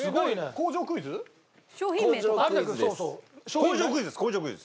工場クイズです。